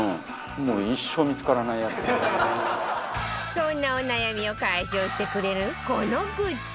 そんなお悩みを解消してくれるこのグッズ。